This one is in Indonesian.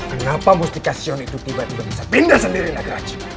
kenapa musikasi on itu tiba tiba bisa pindah sendiri nagraj